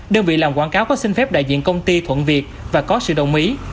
đơn vị làm quảng cáo có xin phép đại diện công ty thuận việc và có sự đồng ý